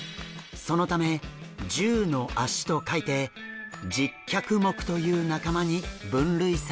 そのため十の脚と書いて十脚目という仲間に分類されるんです。